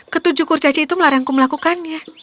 ketujuh kurcaci itu melarangku melakukannya